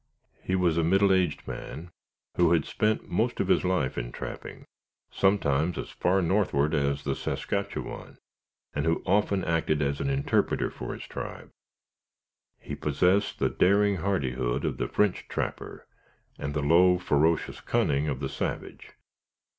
He was a middle aged man, who had spent most of his life in trapping, sometimes as far northward as the Saskatchewan, and who often acted as interpreter for his tribe. He possessed the daring hardihood of the French trapper, and the low, ferocious cunning of the savage.